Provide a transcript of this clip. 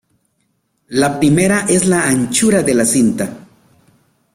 La primera es la anchura de la cinta.